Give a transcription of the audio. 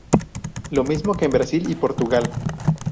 Lo mismo que en Brasil y Portugal.